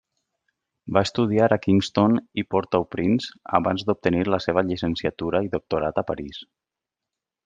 Va estudiar a Kingston i Port-au-Prince abans d'obtenir la seva llicenciatura i doctorat a París.